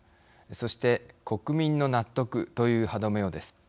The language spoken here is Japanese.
そして国民の納得という歯止めをです。